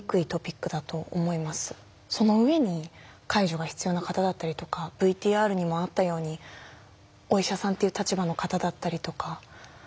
その上に介助が必要な方だったりとかＶＴＲにもあったようにお医者さんっていう立場の方だったりとかっていう何でしょう